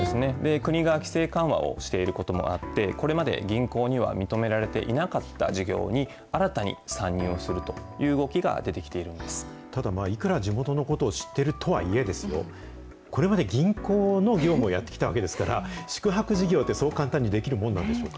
国が規制緩和をしていることもあって、これまで銀行には認められていなかった事業に、新たに参入をするという動きが出てきているただ、いくら地元のことを知っているとはいえですよ、これまで銀行の業務をやってきたわけですから、宿泊事業って、そう簡単にできるもんなんでしょうか。